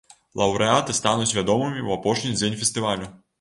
Лаўрэаты стануць вядомымі ў апошні дзень фестывалю.